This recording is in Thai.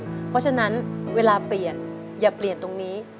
เพราะฉะนั้นเวลาเปลี่ยนอย่าเปลี่ยนตรงนี้